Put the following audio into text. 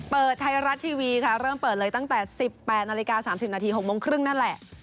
เปิดไทยรัฐทีวีค่ะเริ่มเปิดเลยตั้งแต่๑๘นาฬิกา๓๐นาที๖โมงครึ่งนั่นแหละ